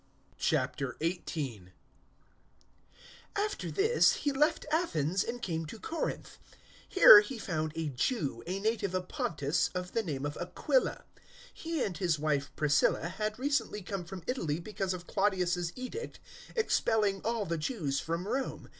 018:001 After this he left Athens and came to Corinth. 018:002 Here he found a Jew, a native of Pontus, of the name of Aquila. He and his wife Priscilla had recently come from Italy because of Claudius's edict expelling all the Jews from Rome.